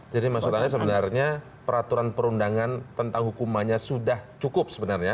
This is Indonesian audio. jadi maksud anda sebenarnya peraturan perundangan tentang hukumannya sudah cukup sebenarnya